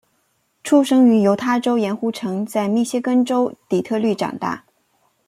出生于犹他州盐湖城在密歇根州底特律长大。